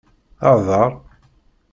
Hḍeṛ!